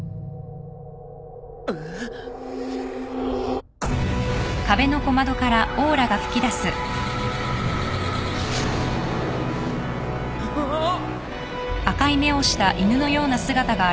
えっ？ああ！？